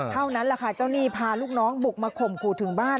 เท่านั้นแหละค่ะเจ้าหนี้พาลูกน้องบุกมาข่มขู่ถึงบ้าน